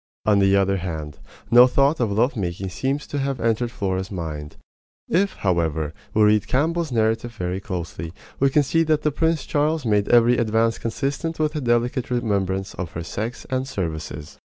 On the other hand, no thought of love making seems to have entered Flora's mind. If, however, we read Campbell's narrative very closely we can see that Prince Charles made every advance consistent with a delicate remembrance of her sex and services.